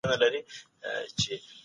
سوسياليستي نظام ناکامه سو.